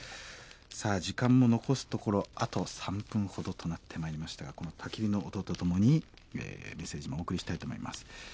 さあ時間も残すところあと３分ほどとなってまいりましたがこのたき火の音とともにメッセージもお送りしたいと思います。